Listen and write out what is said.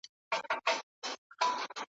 رسمي ژبه باید محترمانه وي.